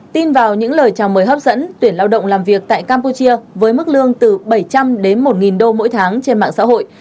tin vào những lời chào mời hấp dẫn tuyển lao động làm việc tại campuchia với mức lương từ bảy trăm linh đến một đô mỗi tháng trên mạng xã hội